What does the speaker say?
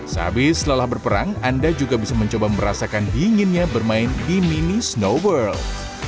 sehabis lelah berperang anda juga bisa mencoba merasakan dinginnya bermain di mini snow world